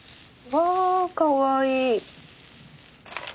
わあかわいい。